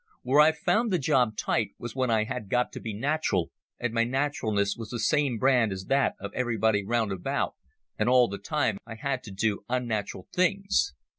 Where I've found the job tight was when I had got to be natural, and my naturalness was the same brand as that of everybody round about, and all the time I had to do unnatural things.